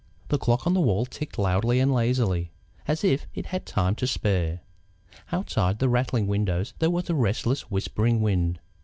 The clock on the wall ticked loudly and lazily, as if it had time to spare. Outside the rattling windows there was a restless, whispering wind.